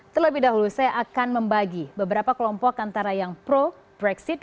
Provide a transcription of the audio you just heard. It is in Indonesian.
terlebih dahulu saya akan membagi beberapa kelompok antara yang pro brexit